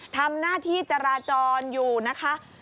ทำหน้าที่จราจรอยู่นะคะ